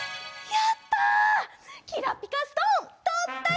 やった！